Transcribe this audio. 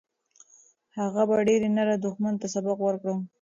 هغه په ډېرې نره دښمن ته سبق ورکړ.